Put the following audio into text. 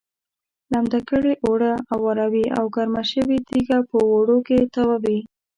لمده کړې اوړه اواروي او ګرمه شوې تیږه په اوړو کې تاووي.